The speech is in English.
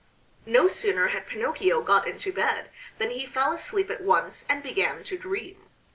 No sooner had Pinocchio got into bed than he fell asleep at once and began to dream.